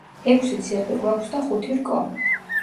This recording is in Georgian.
ექვსი ციყვი გვაქვს და ხუთი რკო.